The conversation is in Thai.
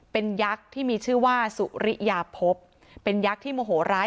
เป็นยักษ์ที่มีชื่อว่าสุริยาพบเป็นยักษ์ที่โมโหร้าย